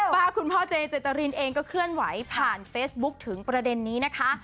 ว่าคุณพ่อเจเจตรินเองก็เคลื่อนไหวผ่านเฟซบุ๊คถึงประเด็นนี้นะคะ